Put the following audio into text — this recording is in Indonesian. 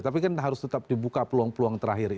tapi kan harus tetap dibuka peluang peluang terakhir